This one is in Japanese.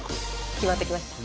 決まってきましたか？